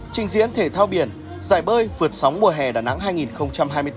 trình diễn thể thao biển giải bơi vượt sóng mùa hè đà nẵng hai nghìn hai mươi bốn